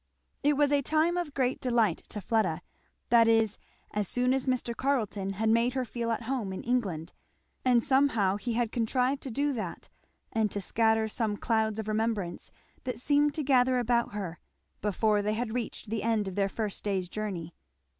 It was a time of great delight to Fleda, that is, as soon as Mr. Carleton had made her feel at home in England; and somehow he had contrived to do that and to scatter some clouds of remembrance that seemed to gather about her, before they had reached the end of their first day's journey.